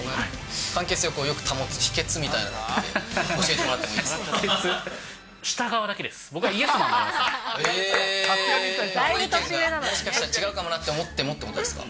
関係性をよく保つ秘けつみたいのものを教えてもらってもいいですか？